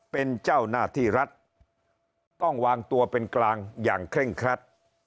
เป็นเจ้าหน้าที่รัฐต้องวางตัวเป็นกลางอย่างเคร่งครัด